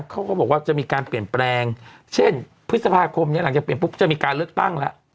เขาก็บอกว่าจะมีการเปลี่ยนแปลงเช่นพฤษภาคมเนี่ยหลังจากเปลี่ยนปุ๊บจะมีการเลือกตั้งแล้ว